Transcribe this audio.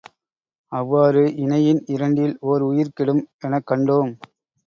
அவ்வாறு இணையின், இரண்டில் ஓர் உயிர் கெடும் எனக் கண்டோம்.